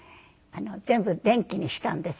全部電気にしたんですよ。